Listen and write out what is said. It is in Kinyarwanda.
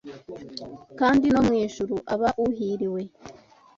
kandi no mu ijuru aba uhiriwe